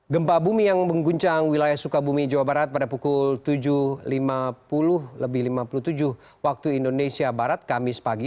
gempa bumi yang mengguncang wilayah sukabumi jawa barat pada pukul tujuh lima puluh lebih lima puluh tujuh waktu indonesia barat kamis pagi